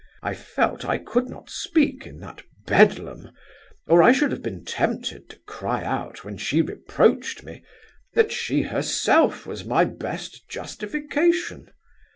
I felt I could not speak in that Bedlam, or I should have been tempted to cry out, when she reproached me, that she herself was my best justification.